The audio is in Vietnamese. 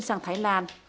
sang thái lan